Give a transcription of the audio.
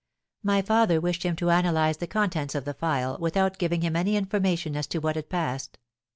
My father wished him to analyse the contents of the phial, without giving him any information as to what had passed.